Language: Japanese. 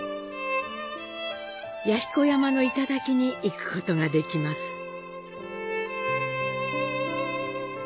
弥彦山の頂に行くことができます。